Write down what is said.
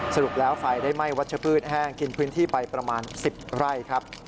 สรุปแล้วไฟได้ไหม้วัชพืชแห้งกินพื้นที่ไปประมาณ๑๐ไร่ครับ